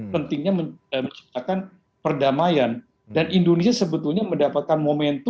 pentingnya menciptakan perdamaian dan indonesia sebetulnya mendapatkan momen yang sangat penting